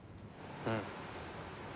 うん。